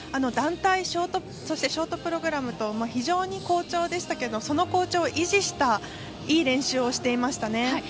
団体、ショートプログラム非常に好調でしたけどその好調を維持したいい練習をしていましたね。